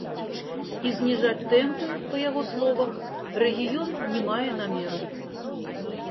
І зніжаць тэмпы, па яго словах, рэгіён не мае намеру.